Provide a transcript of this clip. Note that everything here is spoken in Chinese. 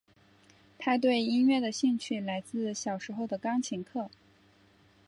她对音乐的兴趣来自小时候的钢琴课。